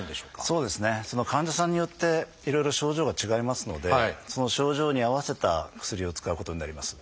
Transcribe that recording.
そうですねその患者さんによっていろいろ症状が違いますのでその症状に合わせた薬を使うことになります。